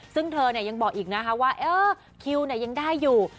ซึ่งเธอยังบอกอีกนะคะว่าเออคิวยังได้อยู่